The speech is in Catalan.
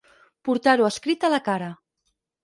Portar-ho escrit a la cara.